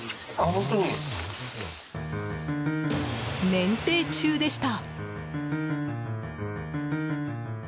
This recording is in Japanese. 免停中でした。